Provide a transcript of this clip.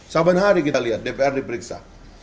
saban hari kita lihat dpr diperiksa